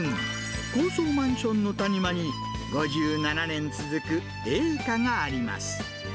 高層マンションの谷間に、５７年続く栄華があります。